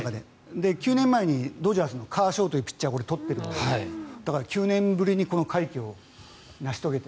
９年前にドジャースのカーショーというピッチャーが取ってるんですけどだから９年ぶりにこの快挙を成し遂げる。